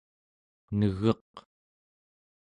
negeq